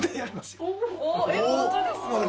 本当ですか！